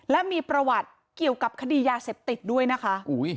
และมีประวัติเกี่ยวกับคดียาเสพติดด้วยนะคะ